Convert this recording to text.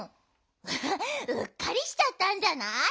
アハッうっかりしちゃったんじゃない？